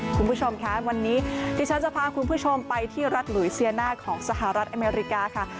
คุณผู้ชมค่ะวันนี้ที่ฉันจะพาคุณผู้ชมไปที่รัฐหลุยเซียน่าของสหรัฐอเมริกาค่ะ